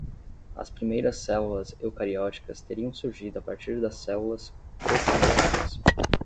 As primeiras células eucarióticas teriam surgido a partir das células procarióticas